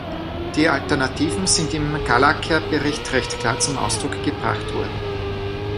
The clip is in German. Die Alternativen sind im Galagher-Bericht recht klar zum Ausdruck gebracht worden.